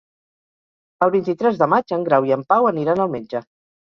El vint-i-tres de maig en Grau i en Pau aniran al metge.